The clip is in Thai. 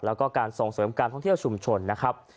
แล้วก็การส่งเสริมการท่องเที่ยวชุมชนนะครับ